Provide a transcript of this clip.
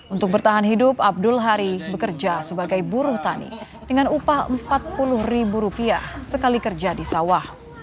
untuk bertahan hidup abdul hari bekerja sebagai buruh tani dengan upah rp empat puluh sekali kerja di sawah